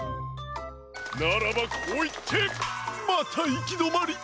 ならばこういってまたいきどまり！